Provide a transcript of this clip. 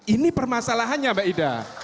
ini permasalahannya mbak ida